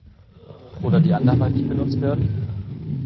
Oder die anderweitig benutzt werden?